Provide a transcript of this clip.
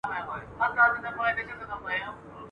ځان تر ټول جهان لایق ورته ښکاریږي ..